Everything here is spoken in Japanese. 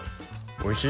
おいしい！